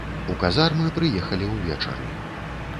У казармы прыехалі ўвечары.